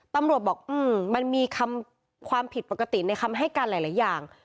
ตำรวจบอกมันมีความผิดปกติในคำให้การหลายอย่าง